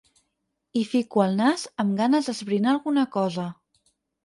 Hi fico el nas amb ganes d'esbrinar alguna cosa.